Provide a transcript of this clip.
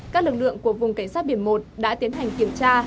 các lực lượng của vùng cảnh sát biển một đã tiến hành kiểm tra